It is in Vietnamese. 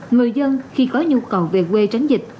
người dân khi có nhu cầu về quê tránh dịch